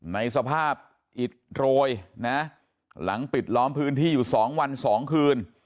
ในสภาพอิดโรยนะหลังปิดล้อมพื้นที่อยู่๒วัน๒คืน